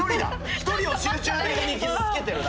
１人を集中的に傷つけてるな。